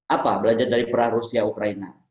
apa belajar dari peran rusia ukraine